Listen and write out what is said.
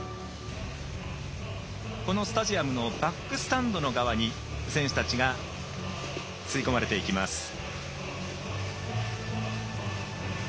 このスタジアムのバックスタンド側に選手たちが吸い込まれていきます。